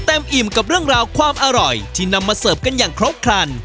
อิ่มกับเรื่องราวความอร่อยที่นำมาเสิร์ฟกันอย่างครบครัน